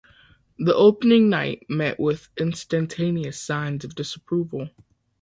The opening night met with instantaneous signs of disapproval.